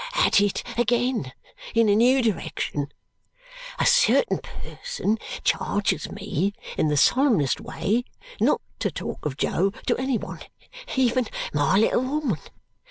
"At it again, in a new direction! A certain person charges me, in the solemnest way, not to talk of Jo to any one, even my little woman.